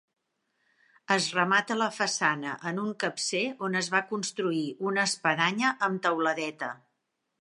Es remata la façana en un capcer on es va construir una espadanya amb teuladeta.